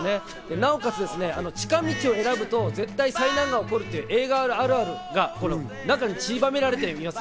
なおかつ近道を選ぶと絶対災難が起こるという映画あるあるが中にちりばめられています。